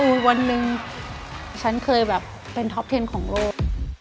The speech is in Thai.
คือวันหนึ่งฉันเคยแบบเป็นท็อปเทนของโลก